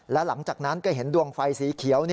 และหลังจากนั้นก็เห็นดวงไฟสีเขียว